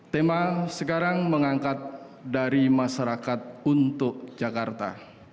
tema sekarang mengangkat dari masyarakat untuk jakarta